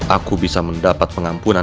aku bisa mendapat pengampunan